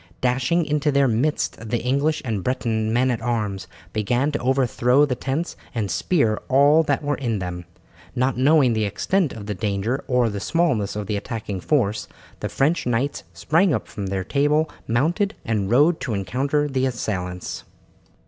Dashing into their midst the English and Breton men at arms began to overthrow the tents and spear all that were in them. Not knowing the extent of the danger or the smallness of the attacking force, the French knights sprang up from table, mounted, and rode to encounter the assailants.